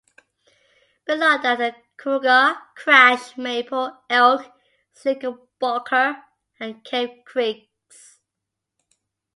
Below that are Cougar, Crash, Maple, Elk, Knickerbocker and Cave creeks.